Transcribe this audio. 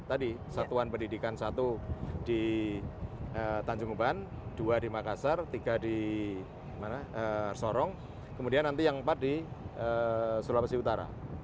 tadi satuan pendidikan satu di tanjung uban dua di makassar tiga di sorong kemudian nanti yang empat di sulawesi utara